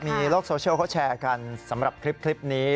มีโลกโซเชียลเขาแชร์กันสำหรับคลิปนี้